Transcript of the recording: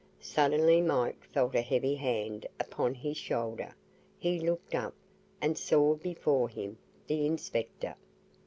Suddenly Mike felt a heavy hand upon his shoulder: he looked up, and saw before him the inspector.